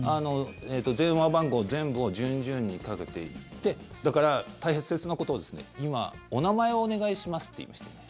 電話番号全部を順々にかけていってだから、大切なことは今、お名前をお願いしますって言いましたよね。